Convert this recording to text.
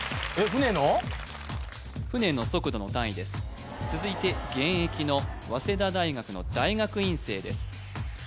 船の速度の単位です続いて現役の早稲田大学の大学院生です